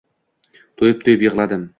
Toʻyib-toʻyib yigʻladim